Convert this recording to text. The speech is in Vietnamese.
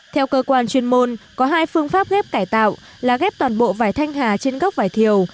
theo cơ quan chuyên môn có hai phương pháp ghép cải tạo là ghép toàn bộ vải thanh hà trên gốc vải thiều